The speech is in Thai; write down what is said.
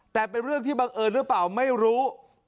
แต่เป็นเรื่องที่บังเอิญหรือเปล่าไม่รู้